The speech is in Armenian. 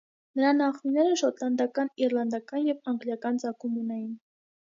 Նրա նախնիները շոտլանդական, իռլանդական և անգլիական ծագում ունեին։